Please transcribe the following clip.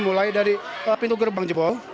mulai dari pintu gerbang jebol